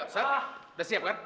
tidak ada yang bisa diharapkan